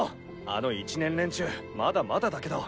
あの１年連中まだまだだけど。